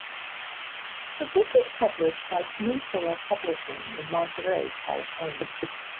The book is published by Peninsula Publishing in Monterey, California.